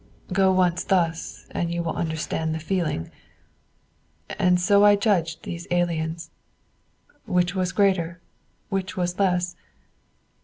Go once thus, and you will understand the feeling. And so I judged these aliens. Which was greater; which was less?